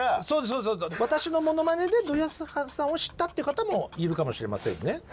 私のものまねで土井善晴さんを知ったっていう方もいるかもしれませんね。